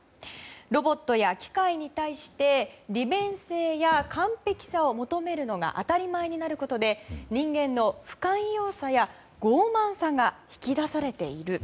ロボットや機械に対して利便性や完璧さを求めるのが当たり前になることで人間の不寛容さや傲慢さが引き出されている。